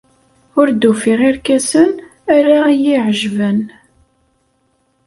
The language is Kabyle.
Ur d-ufiɣ irkasen ara iyi-iɛejben.